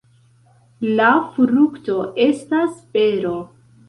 La frukto estas bero.